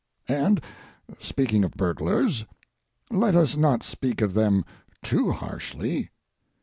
And, speaking of burglars, let us not speak of them too harshly.